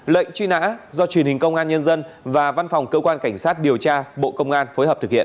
lệnh truy nã do truyền hình công an nhân dân và văn phòng cơ quan cảnh sát điều tra bộ công an phối hợp thực hiện